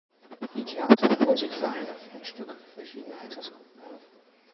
Die Theater- und Musikvereine führen Stücke für verschiedene Altersgruppen auf.